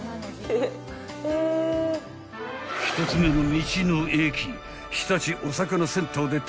［１つ目の道の駅］